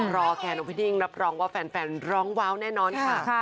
รอแคร์น้องพี่ดิ้งรับรองว่าแฟนร้องว้าวแน่นอนค่ะ